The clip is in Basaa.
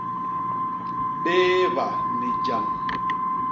Bééba ni jam.